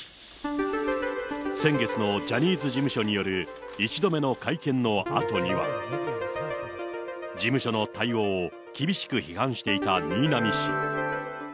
先月のジャニーズ事務所による１度目の会見のあとには、事務所の対応を厳しく批判していた新浪氏。